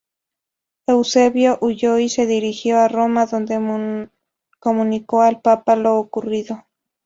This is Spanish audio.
Eusebio huyó y se dirigió a Roma donde comunicó al Papa lo ocurrido.